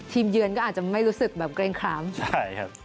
ทีมเยือนก็อาจจะไม่รู้สึกแบบเกรงคล้ำ